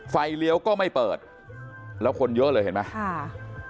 เลี้ยวก็ไม่เปิดแล้วคนเยอะเลยเห็นไหมค่ะ